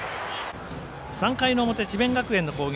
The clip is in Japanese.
３回の表、智弁学園の攻撃。